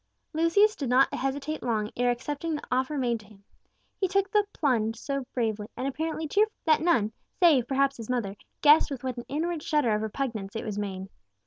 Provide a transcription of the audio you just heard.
Lucius did not hesitate long ere accepting the offer made to him. He took the "plunge" so bravely, and apparently cheerfully, that none, save perhaps his mother, guessed with what an inward shudder of repugnance it was made.